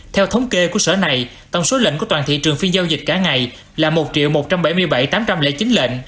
theo thống kê của sở này tổng số lệnh của toàn thị trường phiên giao dịch cả ngày là một một trăm bảy mươi bảy tám trăm linh chín lệnh